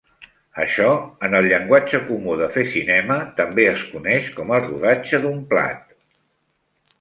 Això, en el llenguatge comú de fer cinema, també es coneix com el rodatge d'un "plat".